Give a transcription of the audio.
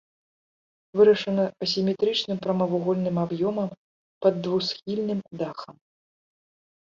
Вырашана асіметрычным прамавугольным аб'ёмам пад двухсхільным дахам.